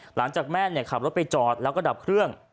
หลังจากแม่ขับรถไปจอดแล้วก็ดับเครื่อง